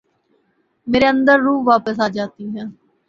میرے اندر روح واپس آ جاتی ہے ۔